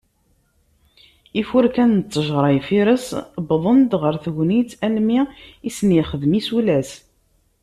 Ifurkawen n tejjṛa n yifires wwḍen-d ɣar tegnit, almi i asen-yexdem isulas.